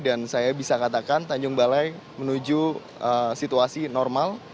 dan saya bisa katakan tanjung balai menuju situasi normal